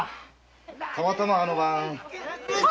たまたまあの晩。